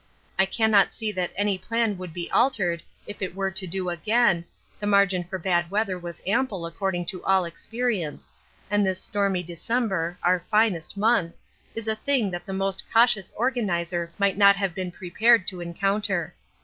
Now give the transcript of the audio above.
I cannot see that any plan would be altered if it were to do again, the margin for bad weather was ample according to all experience, and this stormy December our finest month is a thing that the most cautious organiser might not have been prepared to encounter.